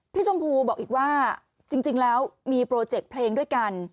ชมพูบอกอีกว่าจริงแล้วมีโปรเจกต์เพลงด้วยกัน